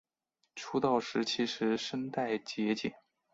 出道时其实声带结茧。